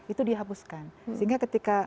itu dihapuskan sehingga ketika